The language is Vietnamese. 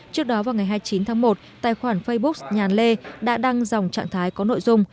trước đó vào ngày hai mươi chín tháng một tài khoản facebook nhàn lê đã đăng dòng trạng thái có nội dung